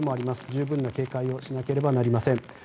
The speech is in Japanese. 十分な警戒をしなければなりません。